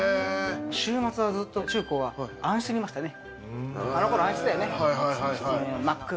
週末は、ずっと中高は暗室にいましたね。